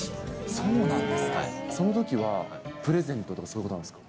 そうなんですね、そのときは、プレゼントとかすることあるんですか。